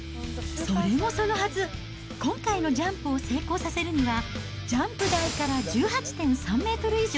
それもそのはず、今回のジャンプを成功させるには、ジャンプ台から１８．３メートル